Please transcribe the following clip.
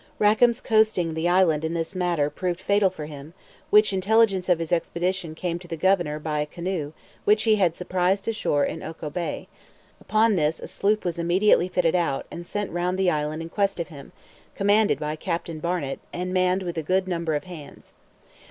Rackam's coasting the island in this manner proved fatal to him; for intelligence of his expedition came to the governor by a canoe which he had surprised ashore in Ocho Bay: upon this a sloop was immediately fitted out, and sent round the island in quest of him, commanded by Captain Barnet, and manned with a good number of hands.